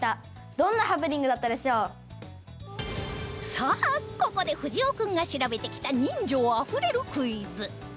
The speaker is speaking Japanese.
さあここでふじお君が調べてきた人情あふれるクイズ